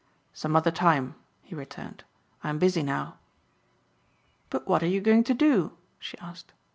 "Some other time," he returned, "I'm busy now." "But what are you going to do?" she asked.